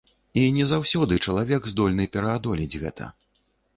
І не заўсёды чалавек здольны пераадолець гэта.